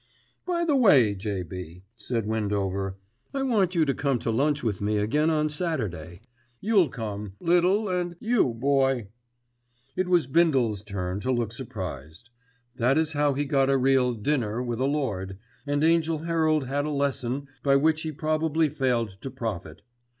"By the way, J.B.," said Windover, "I want you to come to lunch with me again on Saturday. You'll come, Little and you, Boy." It was Bindle's turn to look surprised. That is how he got a real "dinner" with a lord, and Angell Herald had a lesson by which he probably failed to profit.